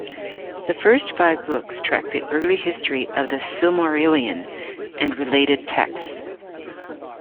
The first five books track the early history of "The Silmarillion" and related texts.